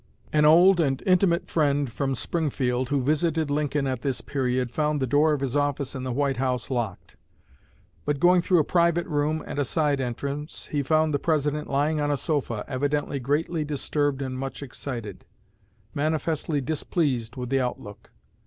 An old and intimate friend from Springfield, who visited Lincoln at this period, found the door of his office in the White House locked; but going through a private room and a side entrance, he found the President lying on a sofa, evidently greatly disturbed and much excited, manifestly displeased with the outlook.